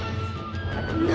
何！